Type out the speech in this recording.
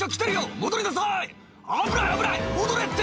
戻れって！